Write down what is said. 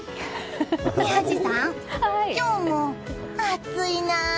宮司さん、今日も暑いな。